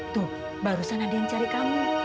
tuh barusan ada yang cari kamu